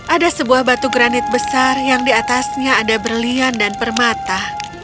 ada sebuah batu granit besar yang diatasnya ada berlian dan permata